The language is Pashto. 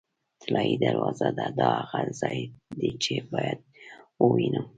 طلایي دروازه ده، دا هغه ځای دی چې باید یې ووینم.